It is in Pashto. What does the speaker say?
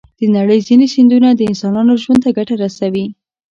د نړۍ ځینې سیندونه د انسانانو ژوند ته ګټه رسوي.